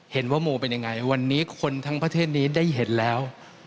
เห็นว่าโมเป็นอย่างไรวันนี้คนทั้งประเทศนี้ได้เห็นแล้ว